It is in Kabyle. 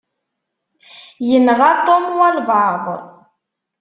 Yenɣa Tom walebɛaḍ.